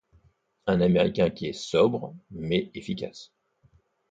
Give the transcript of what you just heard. Un Américain qui est sobre mais efficace.